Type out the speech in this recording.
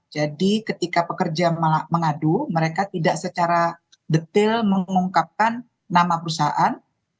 jadi ketika pekerja mengadu mereka tidak secara detail mengungkapkan nama perusahaan